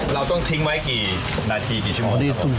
เราต้องทิ้งไว้กี่นาทีกี่ชั่วโมง